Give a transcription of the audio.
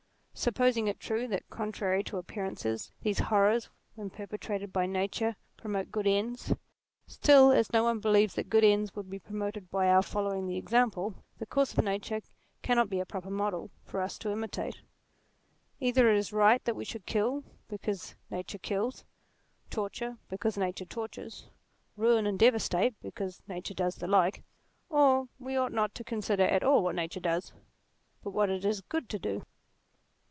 Supposing it true that contrary to appearances these horrors when perpetrated by Nature, promote good ends, still as no one believes that good ends would be promoted by our following the example, the course of Nature cannot be a proper model for us to imitate. Either it is right that we should kill because nature kills ; torture because nature tortures ; ruin and devastate because nature does the like ; or we ought not to consider at all what nature does, but what it is good to do.